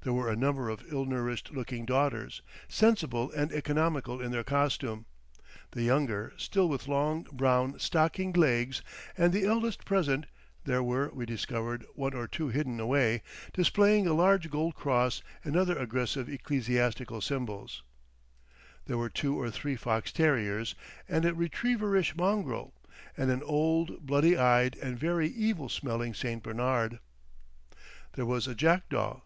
There were a number of ill nourished looking daughters, sensible and economical in their costume, the younger still with long, brown stockinged legs, and the eldest present—there were, we discovered, one or two hidden away—displaying a large gold cross and other aggressive ecclesiastical symbols; there were two or three fox terriers, a retrieverish mongrel, and an old, bloody eyed and very evil smelling St. Bernard. There was a jackdaw.